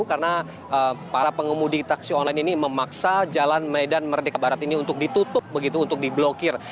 karena para pengembudi taksi online ini memaksa jalan medan merdeka barat ini untuk ditutup untuk diblokir